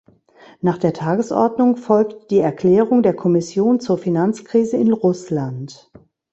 Nach der Tagesordnung folgt die Erklärung der Kommission zur Finanzkrise in Russland.